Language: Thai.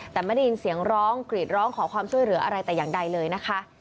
แต่ไม่ได้ยินเสียงร้องกรีดร้องขอความช่วยเหลืออะไรแต่อย่างใดเลยนะคะ